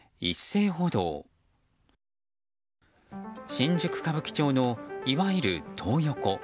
新宿・歌舞伎町のいわゆるトー横。